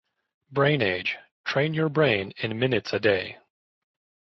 Brain Age: Train Your Brain in Minutes a Day!